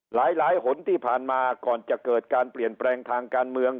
หลายหนที่ผ่านมาก่อนจะเกิดการเปลี่ยนแปลงทางการเมือง